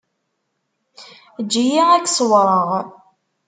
Eǧǧ-iyi ad k-ṣewwreɣ.